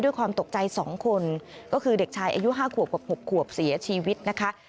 ด้วยความตกใจ๒คนก็คือเด็กชายอายุ๕ขวบกับ๖ขวบเสียชีวิตนะคะ